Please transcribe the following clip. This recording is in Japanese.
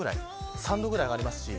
３度くらい上がります。